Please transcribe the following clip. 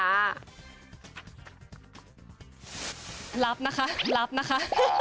รับนะคะรับนะคะ